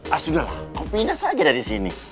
ah sudah lah kau pindah saja dari sini